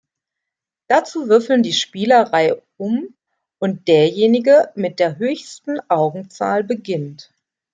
Dazu würfeln die Spieler reihum und derjenige mit der höchsten Augenzahl beginnt.